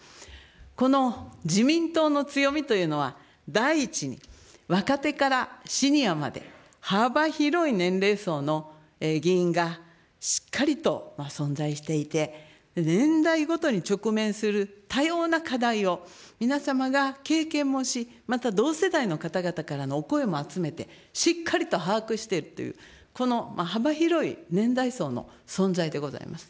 この自民党の強みというのは、第一に、若手からシニアまで幅広い年齢層の議員がしっかりと存在していて、年代ごとに直面する多様な課題を皆様が経験もし、また同世代の方々からのお声も集めて、しっかりと把握しているという、この幅広い年代層の存在でございます。